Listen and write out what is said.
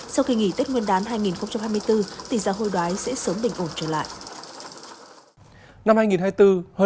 sau khi nghỉ tết nguyên đán hai nghìn hai mươi bốn tỷ giá hồi đoái sẽ sớm bình ổn trở lại